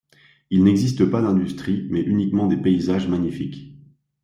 Il n'existe pas d'industrie, mais uniquement des paysages magnifiques.